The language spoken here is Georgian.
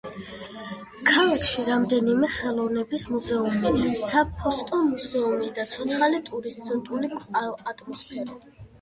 ქალაქში რამდენიმე ხელოვნების მუზეუმი, საფოსტო მუზეუმი და ცოცხალი ტურისტული ატმოსფეროა.